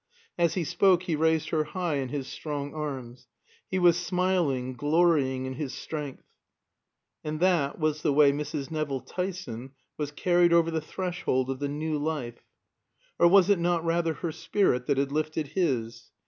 As he spoke he raised her high in his strong arms. He was smiling, glorying in his strength. And that was the way Mrs. Nevill Tyson was carried over the threshold of the New Life. Or was it not rather her spirit that had lifted his?